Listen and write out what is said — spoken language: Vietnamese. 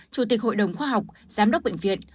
chủ tịch hội đồng khoa học giám đốc bệnh viện